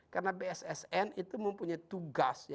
karena bssn itu mempunyai tugas